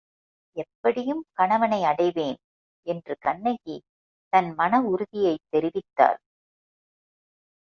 எப்படியும் கணவனை அடைவேன் என்று கண்ணகி தன் மன உறுதியைத் தெரிவித்தாள்.